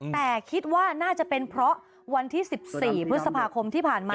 แต่คิดว่าน่าจะเป็นเพราะวันที่๑๔พฤษภาคมที่ผ่านมา